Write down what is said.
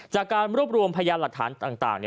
จากการรวบรวมพยานหลักฐานต่าง